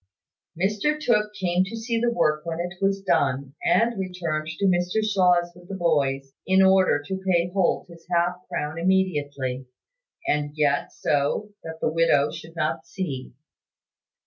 Mr Tooke came to see the work when it was done, and returned to Mr Shaw's with the boys, in order to pay Holt his half crown immediately, and yet so that the widow should not see.